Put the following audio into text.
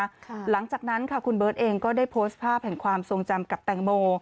หลังจากนั้นค่ะคุณเบิร์ตเองก็ได้โพสต์ภาพแห่งความทรงจำกับแตงโม